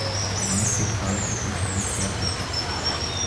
میں فلحال تو پڑہائی کر رہا۔